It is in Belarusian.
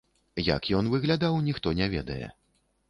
Як ён выглядаў, ніхто не ведае.